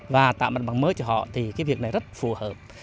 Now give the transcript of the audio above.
và tạo mặt bằng mới cho họ thì cái việc này rất phù hợp